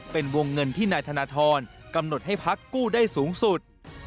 เป็นวงเงินที่นายธนทรกำหนดให้พักกู้ได้สูงสุด